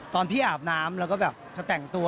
ตอนพี่อาบน้ำแล้วก็แบบเธอแต่งตัว